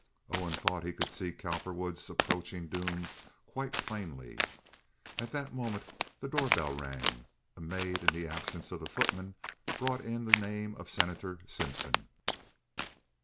Owen thought he could see Cowperwood's approaching doom quite plainly. At that moment the door bell rang. A maid, in the absence of the footman, brought in the name of Senator Simpson.